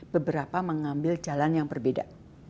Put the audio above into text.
beberapa mengambil jalan yang berbeda